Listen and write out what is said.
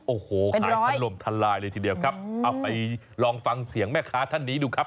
โอ้โหขายถล่มทลายเลยทีเดียวครับเอาไปลองฟังเสียงแม่ค้าท่านนี้ดูครับ